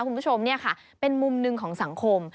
คุณผู้ชมเนี่ยค่ะเป็นมุมหนึ่งของสังคม